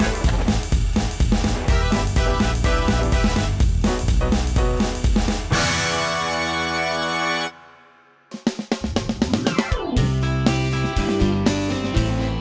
icing yang pertarung tartarung